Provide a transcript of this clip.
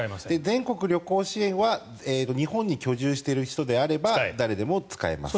全国旅行支援は日本に居住している人であれば誰でも使えます。